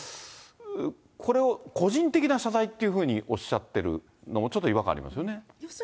これを個人的な謝罪というふうにおっしゃってるの、ちょっと違和感ありますよね。